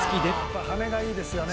やっぱ羽根がいいですよね。